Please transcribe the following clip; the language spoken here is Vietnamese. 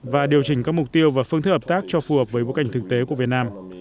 và điều chỉnh các mục tiêu và phương thức hợp tác cho phù hợp với bối cảnh thực tế của việt nam